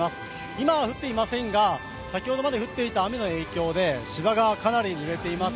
今は降っていませんが、先ほどまで降っていた雨の影響で芝がかなりぬれています。